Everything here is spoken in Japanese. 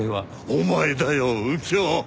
お前だよ右京。